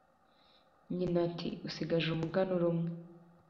nyina ati"usigaje umuganura umwe"